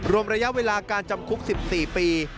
ระยะเวลาการจำคุก๑๔ปี